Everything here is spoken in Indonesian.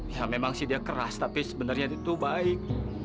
ya memang sih dia keras tapi sebenarnya itu baik